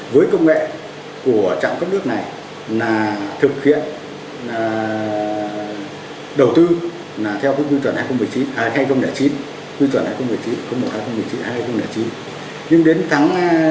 với công nghệ của trạng cấp nước này là thực hiện đầu tư theo bước dưu trần hai nghìn một mươi chín